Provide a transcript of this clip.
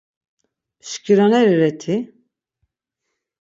Mşkironeri reti?